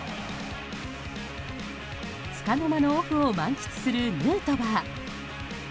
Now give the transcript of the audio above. つかの間のオフを満喫するヌートバー。